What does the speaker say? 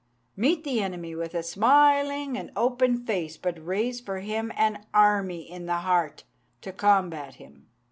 Meet the enemy with a smiling and an open face; but raise for him an army in the heart to combat him.'